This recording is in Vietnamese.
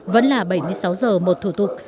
vẫn là bảy mươi sáu giờ một thủ tục